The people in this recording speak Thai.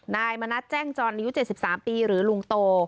นายมณัฐแจ้งจรอายุ๗๓ปีหรือลุงโต